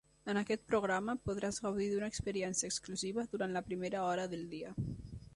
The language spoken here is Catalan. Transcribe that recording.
En aquest programa podràs gaudir d'una experiència exclusiva durant la primera hora del dia.